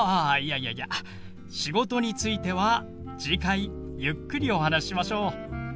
いやいや「仕事」については次回ゆっくりお話ししましょう。